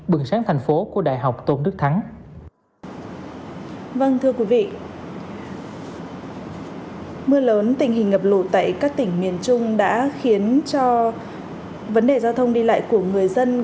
bừng sáng thành phố của đại học tôn đức thắng